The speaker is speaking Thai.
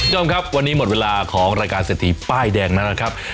ทุกคนค่ะวันนี้หมดเวลาของรายการเศรษฐีป้ายแดงนั่นแหละครับ